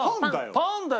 パンだよ。